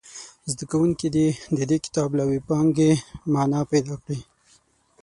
زده کوونکي دې د دې کتاب له وییپانګې معنا پیداکړي.